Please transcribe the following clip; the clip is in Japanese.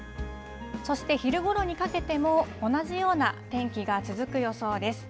そして昼ごろにかけても、同じような天気が続く予想です。